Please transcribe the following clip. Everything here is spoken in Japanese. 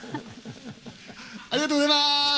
ありがとうございます！